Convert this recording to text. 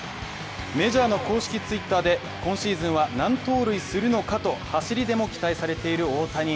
メジャーリーグの公式Ｔｗｉｔｔｅｒで今シーズンは何盗塁するのかと走りでも期待されている大谷。